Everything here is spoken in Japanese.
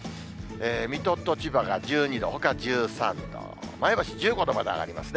水戸と千葉が１２度、ほか１３度、前橋１５度まで上がりますね。